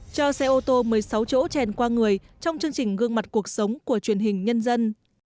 cho xe ô tô một mươi sáu chỗ chèn qua người trong chương trình gương mặt cuộc sống của truyền hình nhân dân